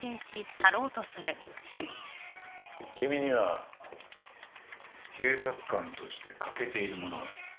君には警察官として欠けているものがある。